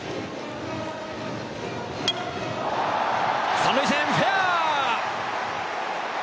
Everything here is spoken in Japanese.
三塁線、フェア。